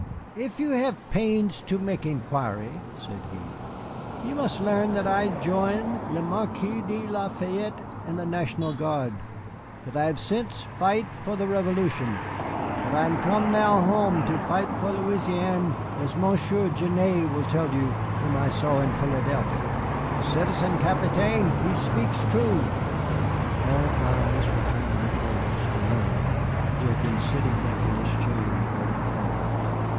"If you hev pains to mek inquiry," said he, "you must learn that I join le Marquis de La Fayette and the National Guard. That I have since fight for the Revolution. That I am come now home to fight for Louisiane, as Monsieur Genêt will tell you whom I saw in Philadelphe." "The Citizen Capitaine he spiks true." All eyes were turned towards Gignoux, who had been sitting back in his chair, very quiet.